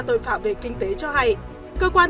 tội phạm về kinh tế cho hay cơ quan